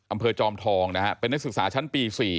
จอมทองนะฮะเป็นนักศึกษาชั้นปี๔